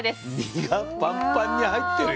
身がパンパンに入ってるよ。